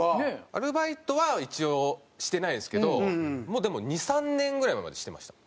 アルバイトは一応してないですけどもうでも２３年ぐらい前までしてました。